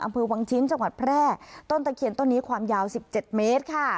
อำเภอวังชิ้นจังหวัดแพร่ต้นตะเคียนต้นนี้ความยาว๑๗เมตรค่ะ